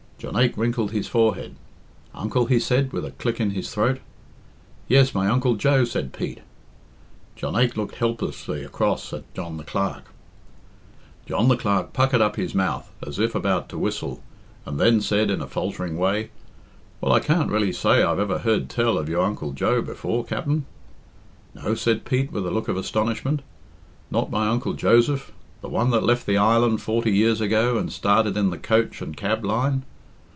Jonaique wrinkled his forehead. "Uncle," he said, with a click in his throat. "Yes, my Uncle Joe," said Pete. Jonaique looked helplessly across at John the Clerk. John the Clerk puckered up his mouth as if about to whistle, and then said, in a faltering way, "Well, I can't really say I've ever heard tell of your Uncle Joe before, Capt'n." "No?" said Pete, with a look of astonishment. "Not my Uncle Joseph? The one that left the island forty years ago and started in the coach and cab line?